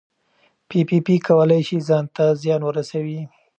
پي پي پي کولی شي ځان ته زیان ورسوي.